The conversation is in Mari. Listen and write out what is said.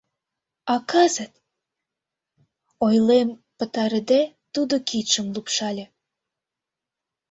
А кызыт... — ойлем пытарыде, тудо кидшым лупшале.